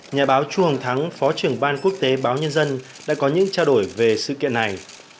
nhà báo chuồng thắng phó trưởng ban quốc tế báo nhân dân đã có những trao đổi về sự kiện này